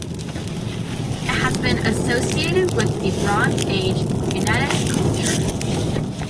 It has been associated with the Bronze Age Unetice culture.